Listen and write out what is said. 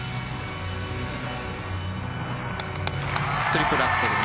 トリプルアクセル。